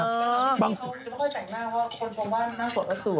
เขาไม่ค่อยแต่งหน้าเพราะว่าคนชมว่าหน้าสดแล้วสวย